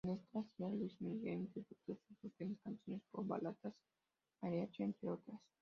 En esta gira Luis Miguel interpretó sus últimas canciones pop, baladas, mariachi, entre otras.